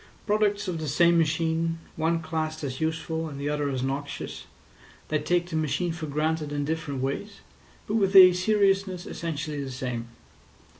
Products of the same machine, one classed as useful and the other as noxious, they take the machine for granted in different ways, but with a seriousness essentially the same.